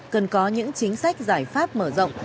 cần có những chính sách giải pháp mở rộng